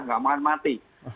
nggak makan mati